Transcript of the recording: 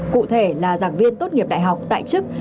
cụ thể là giảng viên tốt nghiệp đại học tại chức